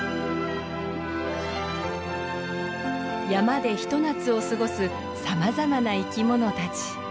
山でひと夏を過ごすさまざまな生き物たち。